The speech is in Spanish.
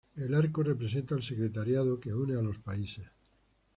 El arco representa al secretariado que une a los países.